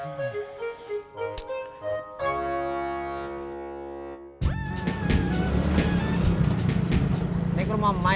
ntar ini yang mau main